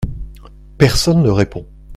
Personne ne répond.